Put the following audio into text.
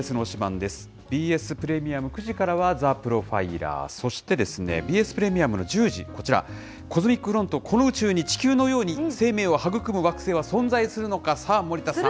です、ＢＳプレミアム、９時からはザ・プロファイラー、そしてＢＳプレミアムの１０時、コズミックフロントこの宇宙に地球のように生命を育む惑星は存在するのか、さあ、森田さん。